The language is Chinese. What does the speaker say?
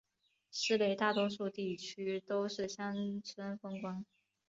市内大多数地区都是乡村风光。